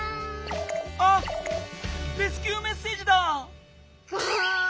あレスキューメッセージだ！ガーン！